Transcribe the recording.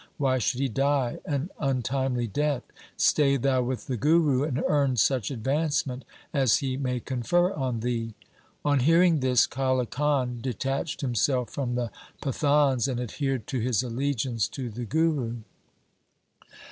Why should he die an untimely death ? Stay thou with the Guru and earn such advancement as he may confer on thee.' On hearing this Kale Khan detached himself from the Pathans, and adhered to his allegiance to the Guru.